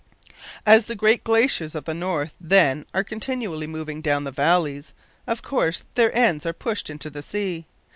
As the great glaciers of the north, then, are continually moving down the valleys, of course their ends are pushed into the sea.